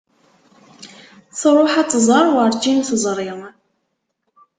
Tṛuḥ ad tẓer, urǧin teẓri.